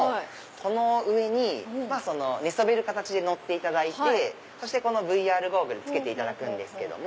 この上に寝そべる形で乗っていただいてこのＶＲゴーグル着けていただくんですけども。